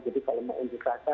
jadi kalau mau undur rasa